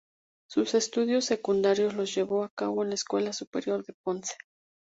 Sus estudios secundarios los llevó a cabo en la Escuela Superior de Ponce.